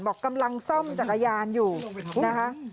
บอกกำลังซ่อมจักรยานอยู่นะคะ